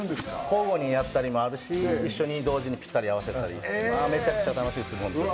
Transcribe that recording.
交互にやったりもするし、同時にぴったり合わせたり、めちゃくちゃ楽しいです。